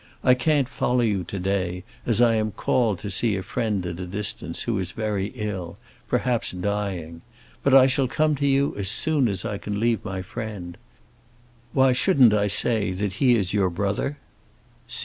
I can't follow you to day, as I am called to see a friend at a distance who is very ill, perhaps dying. But I shall come to you as soon as I can leave my friend. Why shouldn't I say that he is your brother?